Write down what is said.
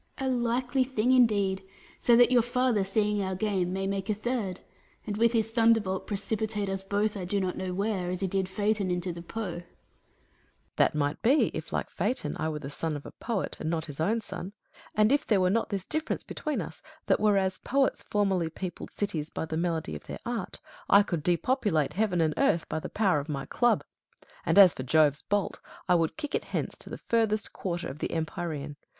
Atlas. A likely thing indeed ! So that your father seeing our game, may make a third, and with his thunderbolt precipitate us both I do not know where, as he did Phaeton into the Po ! Hercules. That might be, if, like Phaeton, I were the son of a poet, and not his own son ; and if there were not this difference between us, that whereas poets formerly peopled cities by the melody of their art, I could depopulate heaven and earth by the power of my club. And as for Jove's bolt, I would kick it hence to the farthest quarter of the empyrean.